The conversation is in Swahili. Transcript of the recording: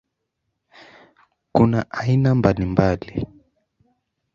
Kuna aina mbalimbali.